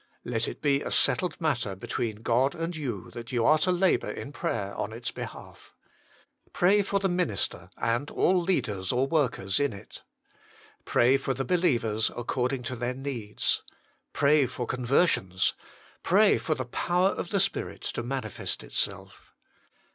Let it be a settled matter between God and you that you are to labour in prayer on its behalf. Pray for the minister and all leaders or workers in it. Pray for the believers according to their needs. Pray for conversions. Pray for the power of the Spirit to manifest itself.